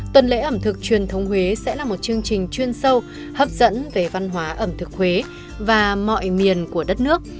tuần lễ ẩm thực truyền thống huế sẽ là một chương trình chuyên sâu hấp dẫn về văn hóa ẩm thực huế và mọi miền của đất nước